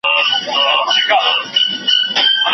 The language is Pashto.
تور وېښته می سپین په انتظار کړله